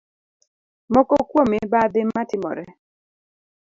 Moko kuom mibadhi ma timore